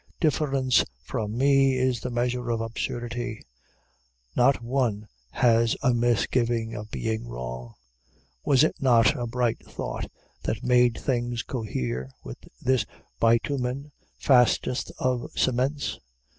Difference from me is the measure of absurdity. Not one has a misgiving of being wrong. Was it not a bright thought that made things cohere with this bitumen, fastest of cements?